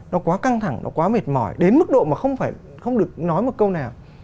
nó quá căng thẳng nó quá mệt mỏi đến mức độ mà không được nói một câu nào